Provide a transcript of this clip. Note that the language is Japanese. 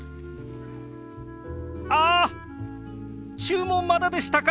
あ注文まだでしたか！